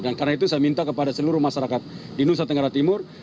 dan karena itu saya minta kepada seluruh masyarakat di nusa tenggara timur